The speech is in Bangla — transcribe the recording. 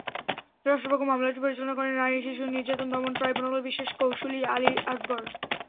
রাষ্ট্রপক্ষে মামলাটি পরিচালনা করেন নারী শিশু নির্যাতন দমন ট্রাইব্যুনালের বিশেষ কৌঁসুলি আলী আজগর।